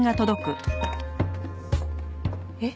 えっ？